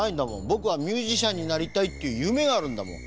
ぼくはミュージシャンになりたいっていうゆめがあるんだもん。